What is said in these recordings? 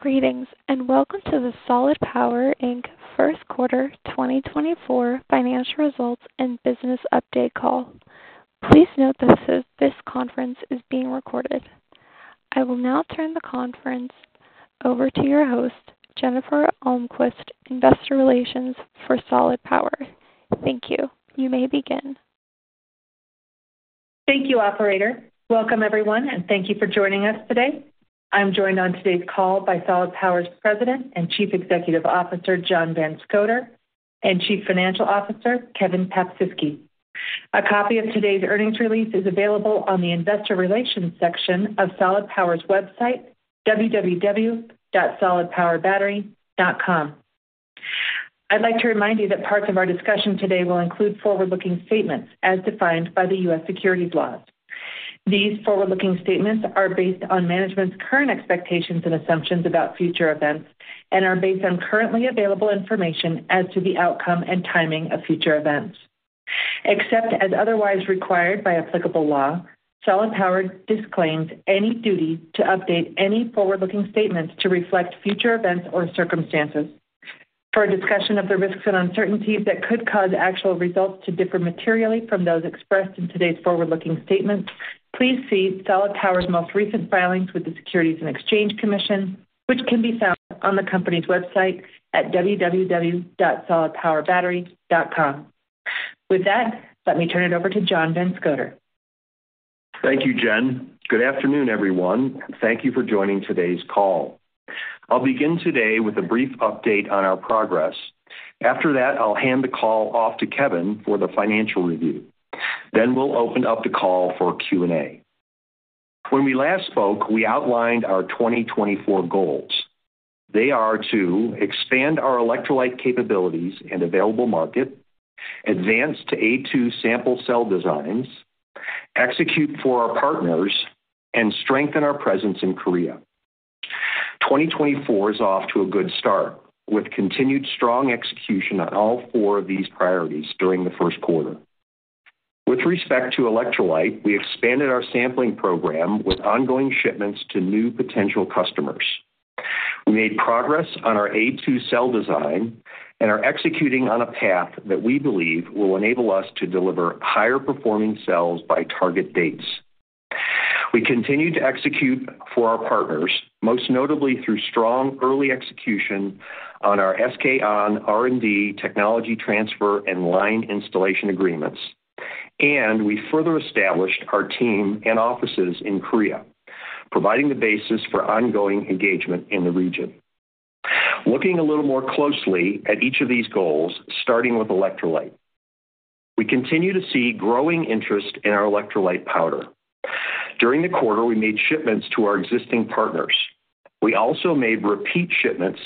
Greetings and welcome to the Solid Power Inc. First Quarter 2024 Financial Results and Business Update Call. Please note that this conference is being recorded. I will now turn the conference over to your host, Jennifer Almquist, Investor Relations for Solid Power. Thank you. You may begin. Thank you, operator. Welcome, everyone, and thank you for joining us today. I'm joined on today's call by Solid Power's President and Chief Executive Officer John Van Scoter and Chief Financial Officer Kevin Paprzycki. A copy of today's earnings release is available on the Investor Relations section of Solid Power's website, www.solidpowerbattery.com. I'd like to remind you that parts of our discussion today will include forward-looking statements as defined by the US securities laws. These forward-looking statements are based on management's current expectations and assumptions about future events and are based on currently available information as to the outcome and timing of future events. Except as otherwise required by applicable law, Solid Power disclaims any duty to update any forward-looking statements to reflect future events or circumstances. For a discussion of the risks and uncertainties that could cause actual results to differ materially from those expressed in today's forward-looking statements, please see Solid Power's most recent filings with the Securities and Exchange Commission, which can be found on the company's website at www.solidpowerbattery.com. With that, let me turn it over to John Van Scoter. Thank you, Jen. Good afternoon, everyone. Thank you for joining today's call. I'll begin today with a brief update on our progress. After that, I'll hand the call off to Kevin for the financial review. Then we'll open up the call for Q&A. When we last spoke, we outlined our 2024 goals. They are to expand our electrolyte capabilities and available market, advance to A2 sample cell designs, execute for our partners, and strengthen our presence in Korea. 2024 is off to a good start with continued strong execution on all four of these priorities during the first quarter. With respect to electrolyte, we expanded our sampling program with ongoing shipments to new potential customers. We made progress on our A2 cell design and are executing on a path that we believe will enable us to deliver higher-performing cells by target dates. We continue to execute for our partners, most notably through strong early execution on our SK On R&D technology transfer and line installation agreements. We further established our team and offices in Korea, providing the basis for ongoing engagement in the region. Looking a little more closely at each of these goals, starting with electrolyte, we continue to see growing interest in our electrolyte powder. During the quarter, we made shipments to our existing partners. We also made repeat shipments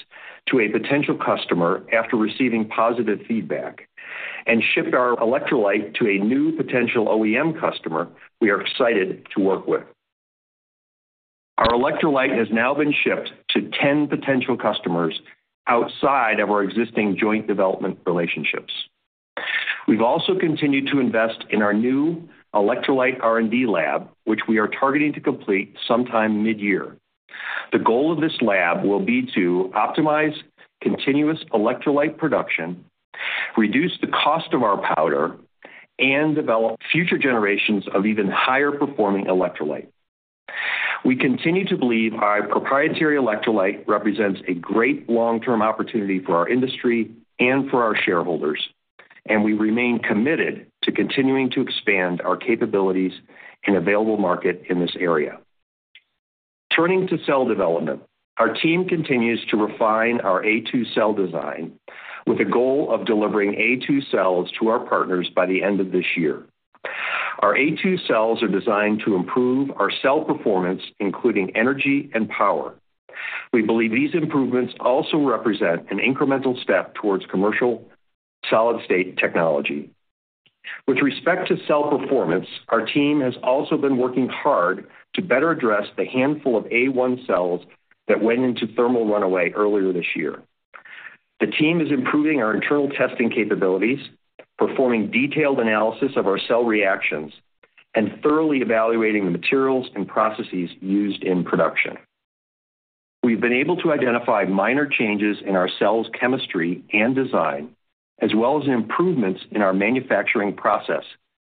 to a potential customer after receiving positive feedback and shipped our electrolyte to a new potential OEM customer we are excited to work with. Our electrolyte has now been shipped to 10 potential customers outside of our existing joint development relationships. We've also continued to invest in our new electrolyte R&D lab, which we are targeting to complete sometime mid-year. The goal of this lab will be to optimize continuous electrolyte production, reduce the cost of our powder, and develop future generations of even higher-performing electrolyte. We continue to believe our proprietary electrolyte represents a great long-term opportunity for our industry and for our shareholders. We remain committed to continuing to expand our capabilities and available market in this area. Turning to cell development, our team continues to refine our A2 cell design with a goal of delivering A2 cells to our partners by the end of this year. Our A2 cells are designed to improve our cell performance, including energy and power. We believe these improvements also represent an incremental step towards commercial solid-state technology. With respect to cell performance, our team has also been working hard to better address the handful of A1 cells that went into thermal runaway earlier this year. The team is improving our internal testing capabilities, performing detailed analysis of our cell reactions, and thoroughly evaluating the materials and processes used in production. We've been able to identify minor changes in our cells' chemistry and design, as well as improvements in our manufacturing process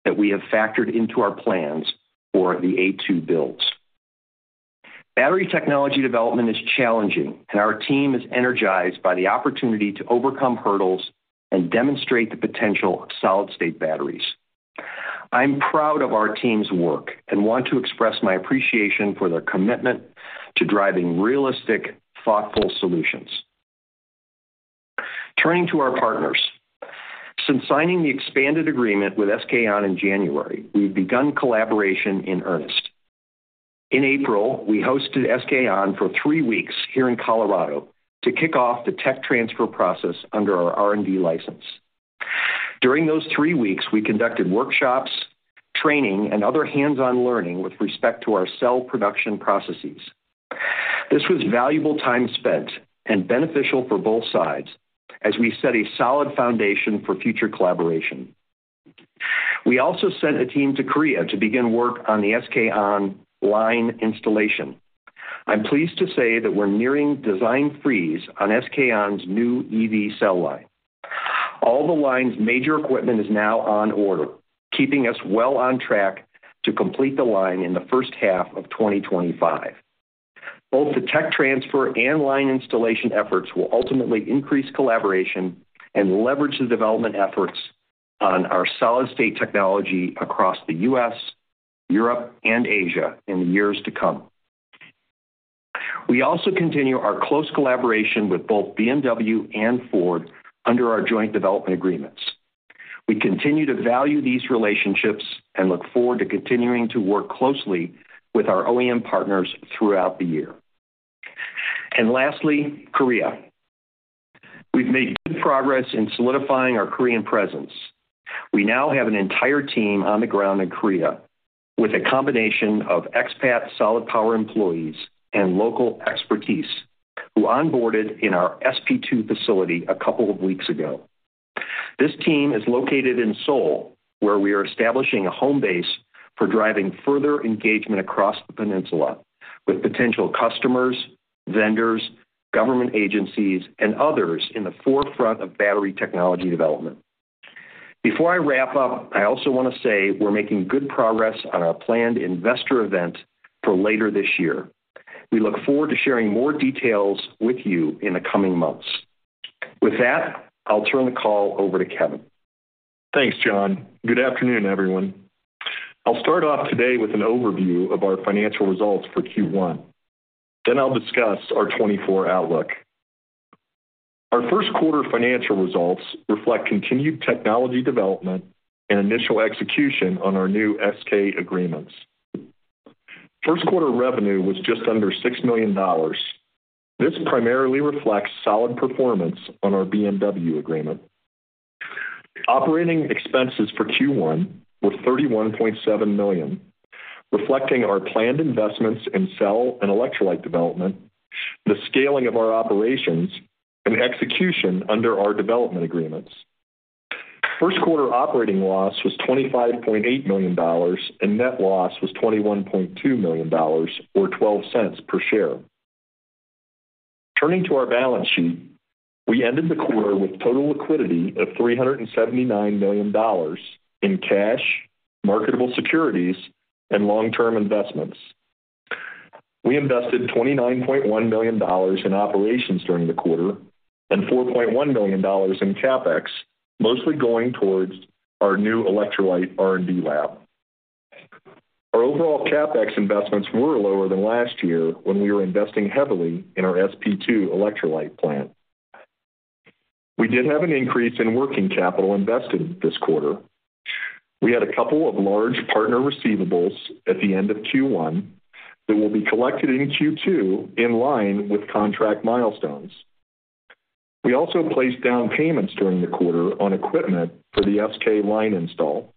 that we have factored into our plans for the A2 builds. Battery technology development is challenging, and our team is energized by the opportunity to overcome hurdles and demonstrate the potential of solid-state batteries. I'm proud of our team's work and want to express my appreciation for their commitment to driving realistic, thoughtful solutions. Turning to our partners. Since signing the expanded agreement with SK On in January, we've begun collaboration in earnest. In April, we hosted SK On for three weeks here in Colorado to kick off the tech transfer process under our R&D license. During those three weeks, we conducted workshops, training, and other hands-on learning with respect to our cell production processes. This was valuable time spent and beneficial for both sides as we set a solid foundation for future collaboration. We also sent a team to Korea to begin work on the SK On line installation. I'm pleased to say that we're nearing design freeze on SK On's new EV cell line. All the line's major equipment is now on order, keeping us well on track to complete the line in the first half of 2025. Both the tech transfer and line installation efforts will ultimately increase collaboration and leverage the development efforts on our solid-state technology across the U.S., Europe, and Asia in the years to come. We also continue our close collaboration with both BMW and Ford under our joint development agreements. We continue to value these relationships and look forward to continuing to work closely with our OEM partners throughout the year. Lastly, Korea. We've made good progress in solidifying our Korean presence. We now have an entire team on the ground in Korea with a combination of expat Solid Power employees and local expertise who onboarded in our SP2 facility a couple of weeks ago. This team is located in Seoul, where we are establishing a home base for driving further engagement across the peninsula with potential customers, vendors, government agencies, and others in the forefront of battery technology development. Before I wrap up, I also want to say we're making good progress on our planned investor event for later this year. We look forward to sharing more details with you in the coming months. With that, I'll turn the call over to Kevin. Thanks, John. Good afternoon, everyone. I'll start off today with an overview of our financial results for Q1. Then I'll discuss our 2024 outlook. Our first quarter financial results reflect continued technology development and initial execution on our new SK agreements. First quarter revenue was just under $6 million. This primarily reflects solid performance on our BMW agreement. Operating expenses for Q1 were $31.7 million, reflecting our planned investments in cell and electrolyte development, the scaling of our operations, and execution under our development agreements. First quarter operating loss was $25.8 million, and net loss was $21.2 million or $0.12 per share. Turning to our balance sheet, we ended the quarter with total liquidity of $379 million in cash, marketable securities, and long-term investments. We invested $29.1 million in operations during the quarter and $4.1 million in CapEx, mostly going towards our new electrolyte R&D lab. Our overall CapEx investments were lower than last year when we were investing heavily in our SP2 electrolyte plant. We did have an increase in working capital invested this quarter. We had a couple of large partner receivables at the end of Q1 that will be collected in Q2 in line with contract milestones. We also placed down payments during the quarter on equipment for the SK line install.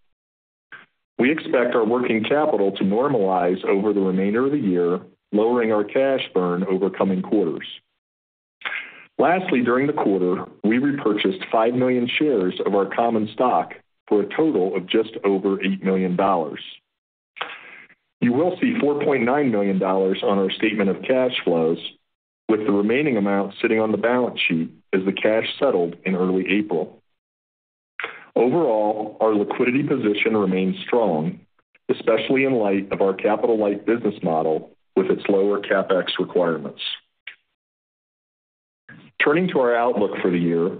We expect our working capital to normalize over the remainder of the year, lowering our cash burn over coming quarters. Lastly, during the quarter, we repurchased 5 million shares of our common stock for a total of just over $8 million. You will see $4.9 million on our statement of cash flows, with the remaining amount sitting on the balance sheet as the cash settled in early April.Overall, our liquidity position remains strong, especially in light of our capital-light business model with its lower CapEx requirements. Turning to our outlook for the year,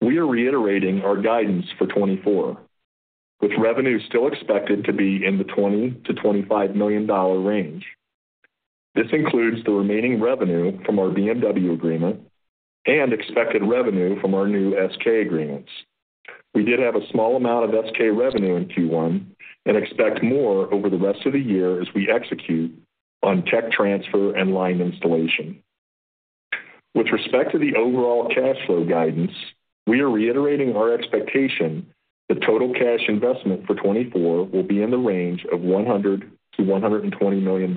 we are reiterating our guidance for 2024, with revenue still expected to be in the $20-$25 million range. This includes the remaining revenue from our BMW agreement and expected revenue from our new SK agreements. We did have a small amount of SK revenue in Q1 and expect more over the rest of the year as we execute on tech transfer and line installation. With respect to the overall cash flow guidance, we are reiterating our expectation that total cash investment for 2024 will be in the range of $100 million-$120 million,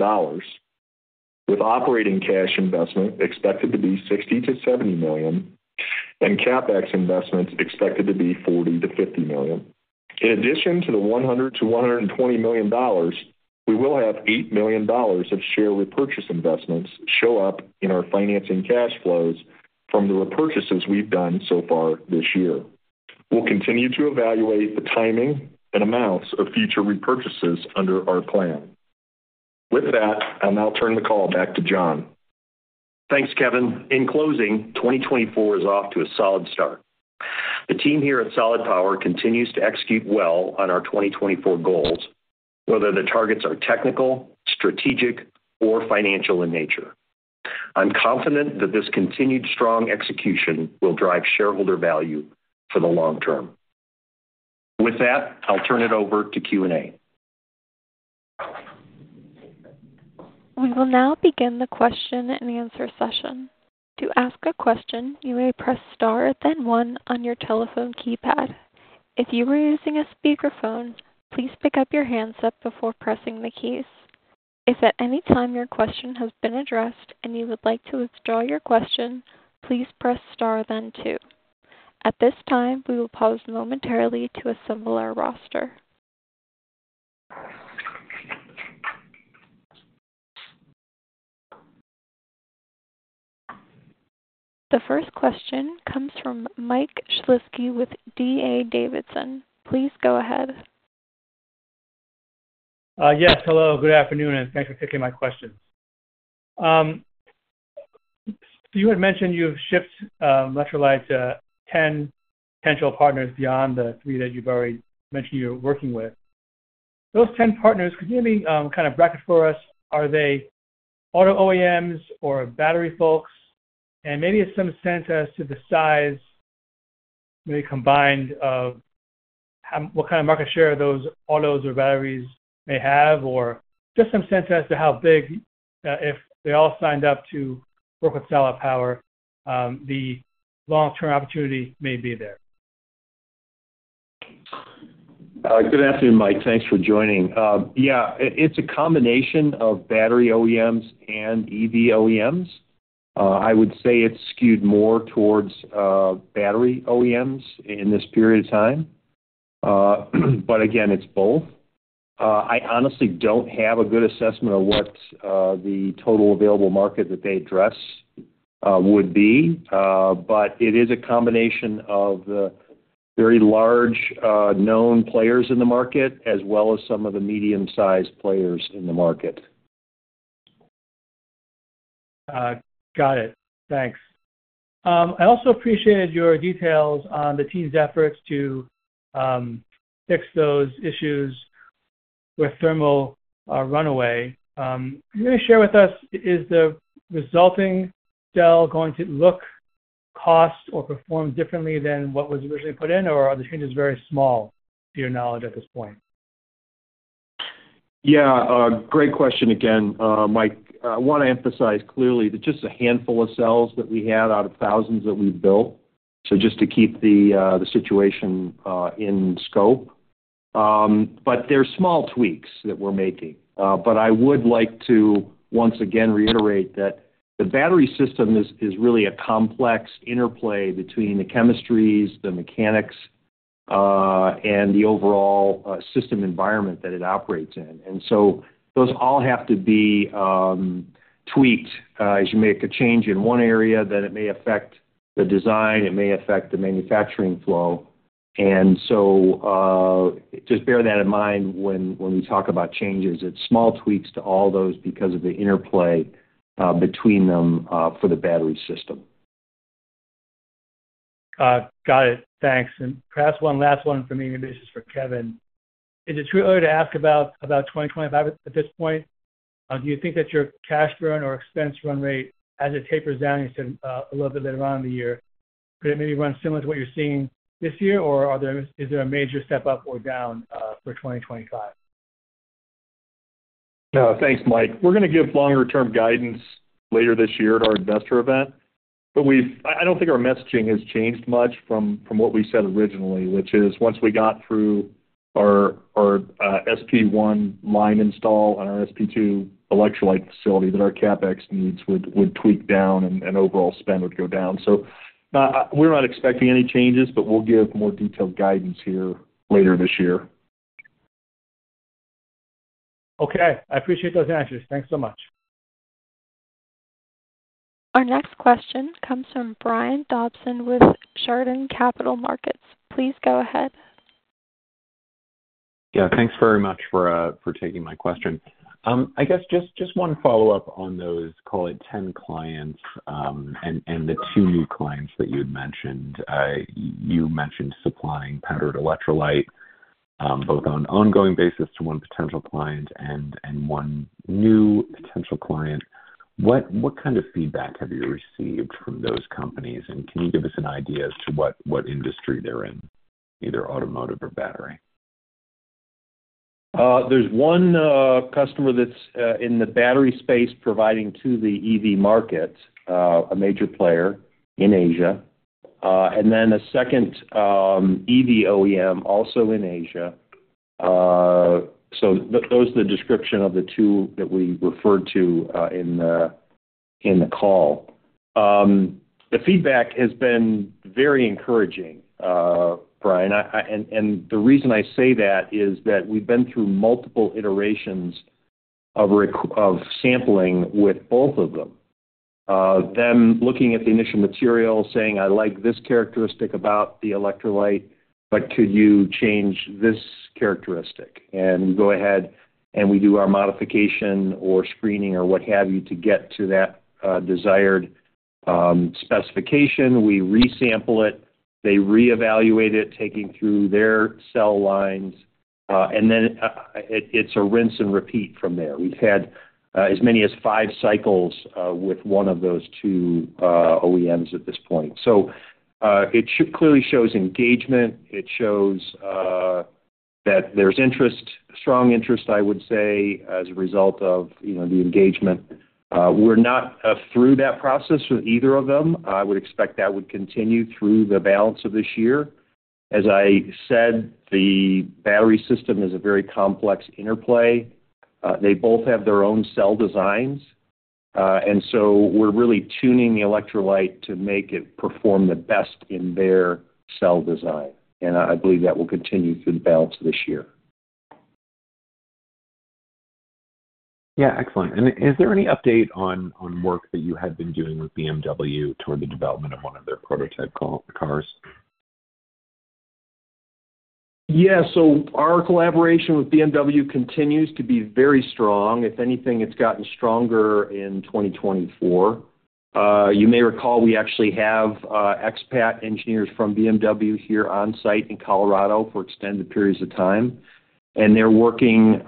with operating cash investment expected to be $60 million-$70 million and CapEx investments expected to be $40-$50 million. In addition to the $100 million-$120 million, we will have $8 million of share repurchase investments show up in our financing cash flows from the repurchases we've done so far this year. We'll continue to evaluate the timing and amounts of future repurchases under our plan. With that, I'll now turn the call back to John. Thanks, Kevin. In closing, 2024 is off to a solid start. The team here at Solid Power continues to execute well on our 2024 goals, whether the targets are technical, strategic, or financial in nature. I'm confident that this continued strong execution will drive shareholder value for the long term. With that, I'll turn it over to Q&A. We will now begin the question and answer session. To ask a question, you may press star then one on your telephone keypad. If you are using a speakerphone, please pick up the handset before pressing the keys. If at any time your question has been addressed and you would like to withdraw your question, please press star then two. At this time, we will pause momentarily to assemble our roster. The first question comes from Mike Shlisky with D.A. Davidson. Please go ahead. Yes. Hello. Good afternoon. Thanks for taking my questions. You had mentioned you've shipped electrolyte to 10 potential partners beyond the three that you've already mentioned you're working with. Those 10 partners, could you maybe kind of bracket for us? Are they auto OEMs or battery folks? Maybe give some sense as to the size maybe combined of what kind of market share those autos or batteries may have. Or just some sense as to how big, if they all signed up to work with Solid Power, the long-term opportunity may be there. Good afternoon, Mike. Thanks for joining. Yeah, it's a combination of battery OEMs and EV OEMs. I would say it's skewed more towards battery OEMs in this period of time. But again, it's both. I honestly don't have a good assessment of what the total available market that they address would be. But it is a combination of the very large known players in the market as well as some of the medium-sized players in the market. Got it. Thanks. I also appreciated your details on the team's efforts to fix those issues with thermal runaway. Can you share with us, is the resulting cell going to look, cost, or perform differently than what was originally put in? Or are the changes very small, to your knowledge, at this point? Yeah. Great question again, Mike. I want to emphasize clearly that just a handful of cells that we had out of thousands that we've built. So just to keep the situation in scope. But there are small tweaks that we're making. But I would like to once again reiterate that the battery system is really a complex interplay between the chemistries, the mechanics, and the overall system environment that it operates in. And so those all have to be tweaked. As you make a change in one area, then it may affect the design. It may affect the manufacturing flow. And so just bear that in mind when we talk about changes. It's small tweaks to all those because of the interplay between them for the battery system. Got it. Thanks. And perhaps one last one from me, maybe just for Kevin. Is it too early to ask about 2025 at this point? Do you think that your cash burn or expense run rate, as it tapers down, you said a little bit later on in the year, could it maybe run similar to what you're seeing this year? Or is there a major step up or down for 2025? No. Thanks, Mike. We're going to give longer-term guidance later this year at our investor event. But I don't think our messaging has changed much from what we said originally, which is once we got through our SP1 line install on our SP2 electrolyte facility, that our CapEx needs would tweak down and overall spend would go down. So we're not expecting any changes. But we'll give more detailed guidance here later this year. Okay. I appreciate those answers. Thanks so much. Our next question comes from Brian Dobson with Chardan Capital Markets. Please go ahead. Yeah. Thanks very much for taking my question. I guess just one follow-up on those, call it, 10 clients and the two new clients that you had mentioned. You mentioned supplying powdered electrolyte both on an ongoing basis to one potential client and one new potential client. What kind of feedback have you received from those companies? And can you give us an idea as to what industry they're in, either automotive or battery? There's one customer that's in the battery space providing to the EV market, a major player in Asia. And then a second EV OEM also in Asia. So those are the description of the two that we referred to in the call. The feedback has been very encouraging, Brian. And the reason I say that is that we've been through multiple iterations of sampling with both of them, them looking at the initial material, saying, "I like this characteristic about the electrolyte. But could you change this characteristic?" And go ahead, and we do our modification or screening or what have you to get to that desired specification. We resample it. They reevaluate it, taking through their cell lines. And then it's a rinse and repeat from there. We've had as many as five cycles with one of those two OEMs at this point. So it clearly shows engagement. It shows that there's interest, strong interest, I would say, as a result of the engagement. We're not through that process with either of them. I would expect that would continue through the balance of this year. As I said, the battery system is a very complex interplay. They both have their own cell designs. And so we're really tuning the electrolyte to make it perform the best in their cell design. And I believe that will continue through the balance of this year. Yeah. Excellent. And is there any update on work that you had been doing with BMW toward the development of one of their prototype cars? Yeah. So our collaboration with BMW continues to be very strong. If anything, it's gotten stronger in 2024. You may recall we actually have expat engineers from BMW here on site in Colorado for extended periods of time. They're working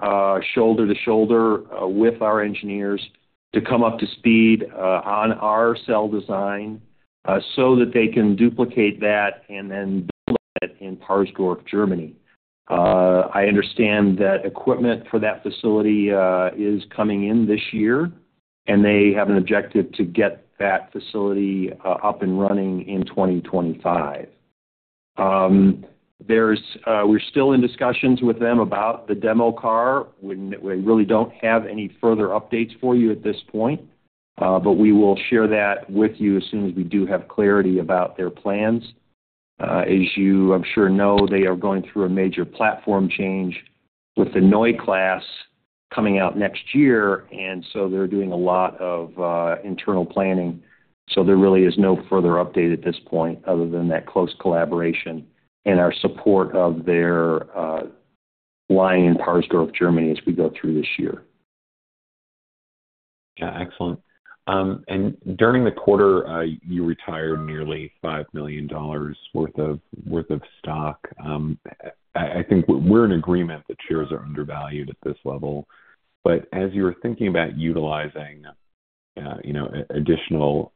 shoulder to shoulder with our engineers to come up to speed on our cell design so that they can duplicate that and then build it in Parsdorf, Germany. I understand that equipment for that facility is coming in this year. They have an objective to get that facility up and running in 2025. We're still in discussions with them about the demo car. We really don't have any further updates for you at this point. But we will share that with you as soon as we do have clarity about their plans. As you, I'm sure, know, they are going through a major platform change with the Neue Klasse coming out next year. So they're doing a lot of internal planning. There really is no further update at this point other than that close collaboration and our support of their line in Parsdorf, Germany, as we go through this year. Yeah. Excellent. And during the quarter, you retired nearly $5 million worth of stock. I think we're in agreement that shares are undervalued at this level. But as you're thinking about utilizing additional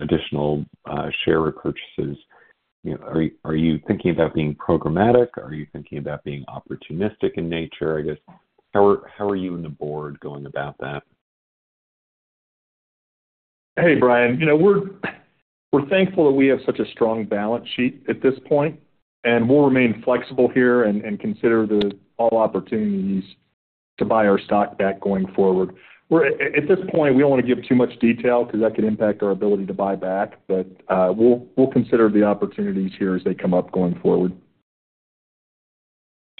share repurchases, are you thinking about being programmatic? Are you thinking about being opportunistic in nature? I guess, how are you and the board going about that? Hey, Brian. We're thankful that we have such a strong balance sheet at this point. And we'll remain flexible here and consider all opportunities to buy our stock back going forward. At this point, we don't want to give too much detail because that could impact our ability to buy back. But we'll consider the opportunities here as they come up going forward.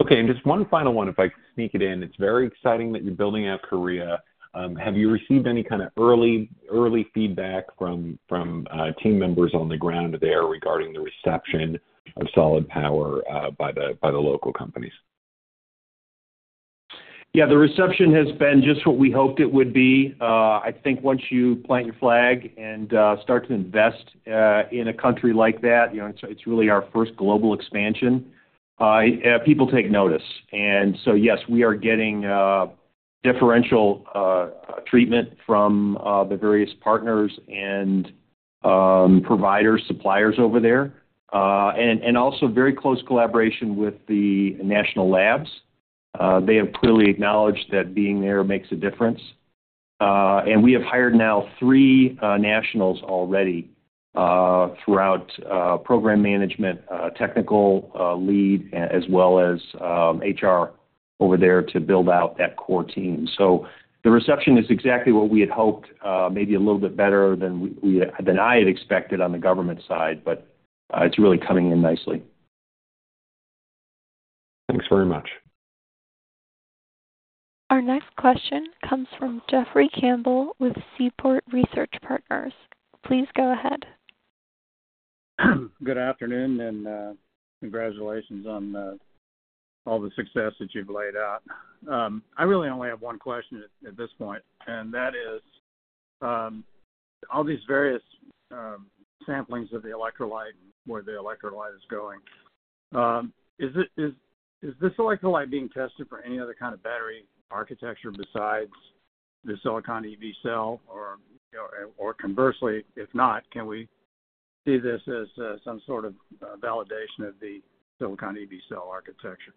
Okay. And just one final one, if I sneak it in. It's very exciting that you're building out Korea. Have you received any kind of early feedback from team members on the ground there regarding the reception of Solid Power by the local companies? Yeah. The reception has been just what we hoped it would be. I think once you plant your flag and start to invest in a country like that - it's really our first global expansion - people take notice. And so yes, we are getting differential treatment from the various partners and providers, suppliers over there, and also very close collaboration with the national labs. They have clearly acknowledged that being there makes a difference. And we have hired now three nationals already throughout program management, technical lead, as well as HR over there to build out that core team. So the reception is exactly what we had hoped, maybe a little bit better than I had expected on the government side. But it's really coming in nicely. Thanks very much. Our next question comes from Jeffrey Campbell with Seaport Research Partners. Please go ahead. Good afternoon. Congratulations on all the success that you've laid out. I really only have one question at this point. That is all these various samplings of the electrolyte and where the electrolyte is going. Is this electrolyte being tested for any other kind of battery architecture besides the Silicon EV Cell? Or conversely, if not, can we see this as some sort of validation of the Silicon EV Cell architecture?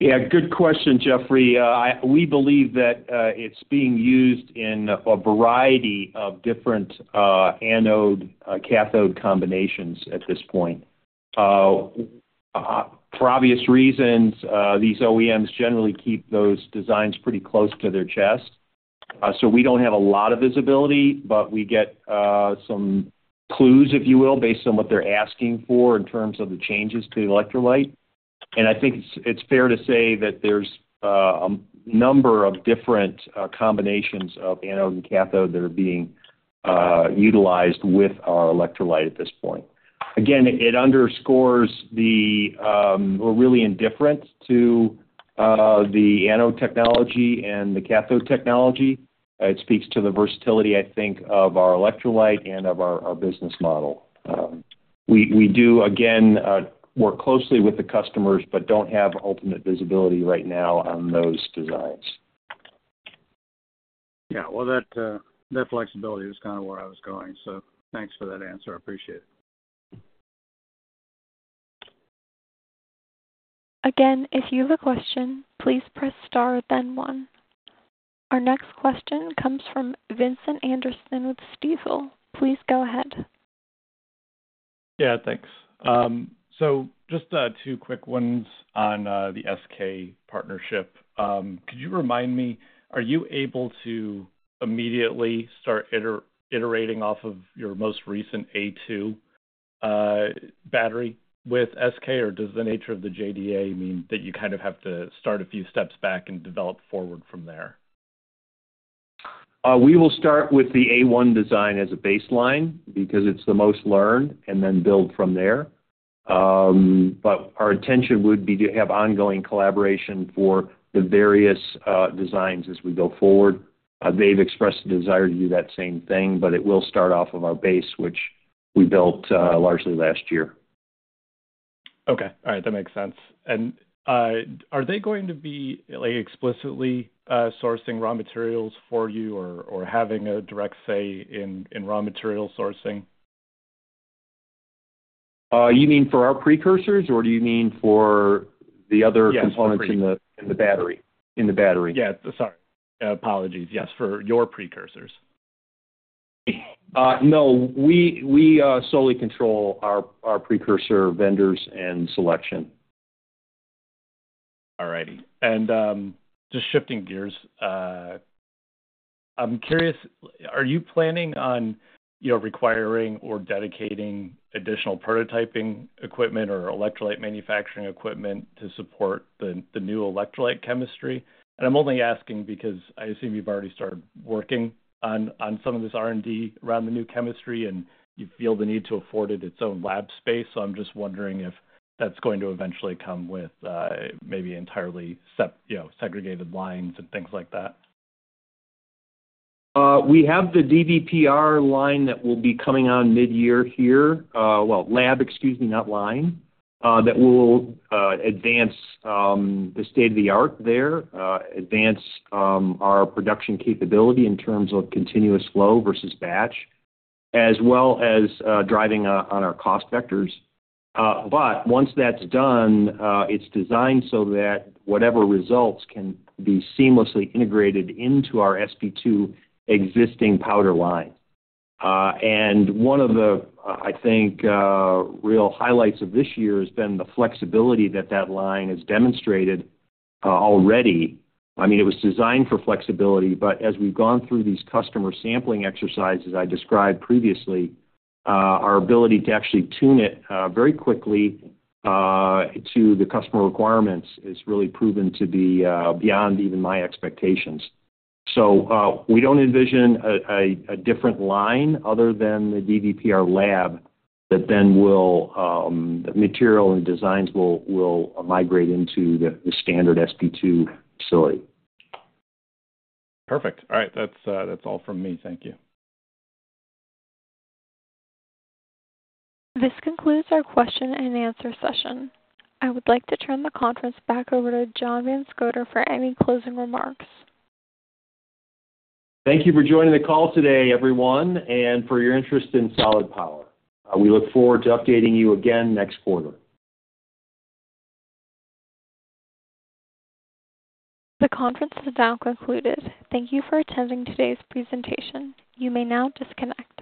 Yeah. Good question, Jeffrey. We believe that it's being used in a variety of different anode-cathode combinations at this point. For obvious reasons, these OEMs generally keep those designs pretty close to their chest. So we don't have a lot of visibility. But we get some clues, if you will, based on what they're asking for in terms of the changes to the electrolyte. And I think it's fair to say that there's a number of different combinations of anode and cathode that are being utilized with our electrolyte at this point. Again, it underscores that we're really indifferent to the anode technology and the cathode technology. It speaks to the versatility, I think, of our electrolyte and of our business model. We do, again, work closely with the customers but don't have ultimate visibility right now on those designs. Yeah. Well, that flexibility was kind of where I was going. So thanks for that answer. I appreciate it. Again, if you have a question, please press star, then one. Our next question comes from Vincent Anderson with Stifel. Please go ahead. Yeah. Thanks. Just two quick ones on the SK partnership. Could you remind me, are you able to immediately start iterating off of your most recent A2 battery with SK? Or does the nature of the JDA mean that you kind of have to start a few steps back and develop forward from there? We will start with the A1 design as a baseline because it's the most learned and then build from there. But our intention would be to have ongoing collaboration for the various designs as we go forward. They've expressed a desire to do that same thing. But it will start off of our base, which we built largely last year. Okay. All right. That makes sense. Are they going to be explicitly sourcing raw materials for you or having a direct say in raw material sourcing? You mean for our precursors? Or do you mean for the other components in the battery? Yeah. Sorry. Apologies. Yes. For your precursors. No. We solely control our precursor vendors and selection. All righty. Just shifting gears, I'm curious, are you planning on requiring or dedicating additional prototyping equipment or electrolyte manufacturing equipment to support the new electrolyte chemistry? I'm only asking because I assume you've already started working on some of this R&D around the new chemistry. You feel the need to afford it its own lab space. I'm just wondering if that's going to eventually come with maybe entirely segregated lines and things like that. We have the DDPR line that will be coming on mid-year here, well, lab, excuse me, not line, that will advance the state-of-the-art there, advance our production capability in terms of continuous flow versus batch, as well as driving on our cost vectors. But once that's done, it's designed so that whatever results can be seamlessly integrated into our SP2 existing powder line. And one of the, I think, real highlights of this year has been the flexibility that that line has demonstrated already. I mean, it was designed for flexibility. But as we've gone through these customer sampling exercises I described previously, our ability to actually tune it very quickly to the customer requirements has really proven to be beyond even my expectations. So we don't envision a different line other than the DDPR lab that then the material and designs will migrate into the standard SP2 facility. Perfect. All right. That's all from me. Thank you. This concludes our question-and-answer session. I would like to turn the conference back over to John Van Scoter for any closing remarks. Thank you for joining the call today, everyone, and for your interest in Solid Power. We look forward to updating you again next quarter. The conference is now concluded. Thank you for attending today's presentation. You may now disconnect.